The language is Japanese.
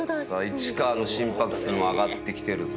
市川の心拍数も上がってきてるぞ